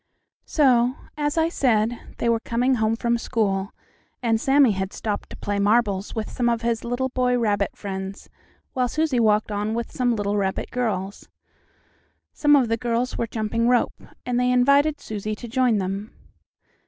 So, as I said, they were coming home from school, and Sammie had stopped to play marbles with some of his little boy rabbit friends, while Susie walked on with some little rabbit girls. Some of the girls were jumping rope, and they invited Susie to join them.